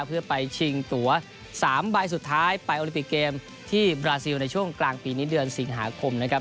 เพื่อไปชิงตัว๓ใบสุดท้ายไปโอลิปิกเกมที่บราซิลในช่วงกลางปีนี้เดือนสิงหาคมนะครับ